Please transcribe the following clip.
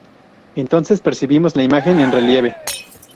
Entonces percibimos la imagen en relieve.